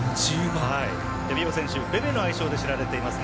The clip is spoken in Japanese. ビオ選手、「ベベ」の愛称で知られています。